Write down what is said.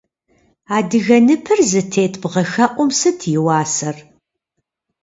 Адыгэ ныпыр зытет бгъэхэӏум сыт и уасэр?